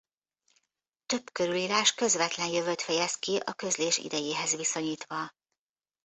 Több körülírás közvetlen jövőt fejez ki a közlés idejéhez viszonyítva.